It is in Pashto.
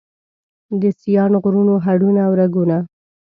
د سیاڼ غرونو هډونه او رګونه